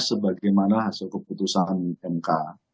sebagai mana hasil keputusan mk